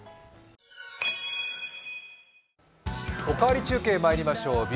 「おかわり中継」まいりましょう。